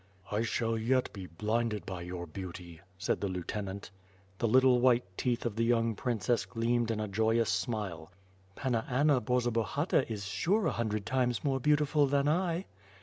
"I shall yet be blinded by your beauty," said the lieu tenant." The little white teeth of the young princess gleamed in a joyous smile. "Panna Anna Borzobahata is sure a hundred times more beautiful than I."